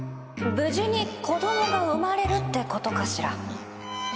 「無事に子供が生まれる」ってことかしら？